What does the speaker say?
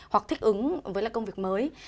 hoặc thích ứng với công việc mới